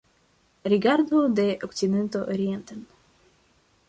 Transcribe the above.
Rigardo de okcidento orienten.